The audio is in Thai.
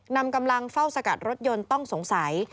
นำกำลังเฝ้าสกัดรถยนต์ต้องสงสัย